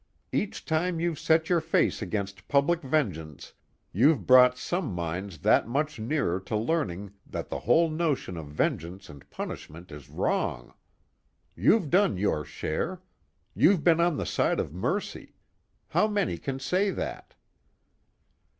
Each time you've set your face against public vengeance, you've brought some minds that much nearer to learning that the whole notion of vengeance and punishment is wrong. You've done your share. You've been on the side of mercy. How many can say that?"